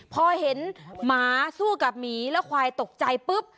พอเห็นหมาสู้กับหมีแล้วควายตกใจปุ๊บ